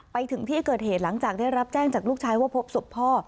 ไปถึงที่เกิดเหตุหลังจากได้รับแจ้งจากลูกชายว่าพบศพพ่อ